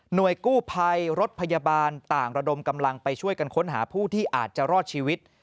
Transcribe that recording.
โดยกู้ภัยรถพยาบาลต่างระดมกำลังไปช่วยกันค้นหาผู้ที่อาจจะรอดชีวิต